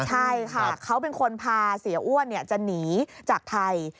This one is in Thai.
ใช่ค่ะเขาเป็นคนพาเสียอ้วนจะหนีจากไทย